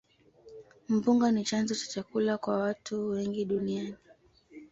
Mpunga ni chanzo cha chakula kwa watu wengi duniani.